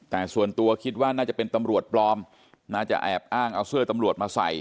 แต่ส่วนตัวคิดว่าน่าจะเป็นตำรวจปลอมน่าจะแอบอ้างเอาเสื้อตำรวจมาใส่